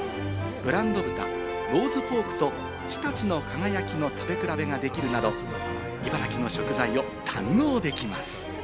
ブランド豚・ローズポークと常陸の輝きの食べ比べができるなど、茨城の食材を堪能できます。